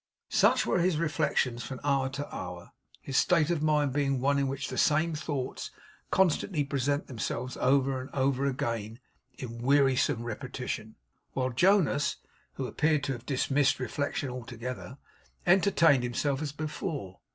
Such were his reflections from hour to hour; his state of mind being one in which the same thoughts constantly present themselves over and over again in wearisome repetition; while Jonas, who appeared to have dismissed reflection altogether, entertained himself as before.